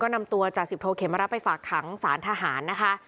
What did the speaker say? นำตัวจ่าสิบโทเขมรับไปฝากขังสารทหารนะคะ